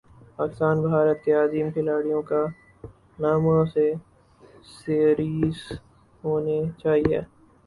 پاکستان بھارت کے عظیم کھلاڑیوں کے ناموں سے سیریز ہونی چاہیے